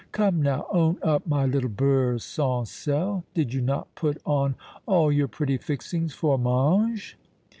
Come now own up, my little Beurre Sans Sel, did you not put on all your pretty fixings for Mange?"